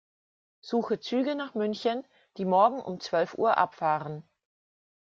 Suche Züge nach München, die morgen um zwölf Uhr abfahren.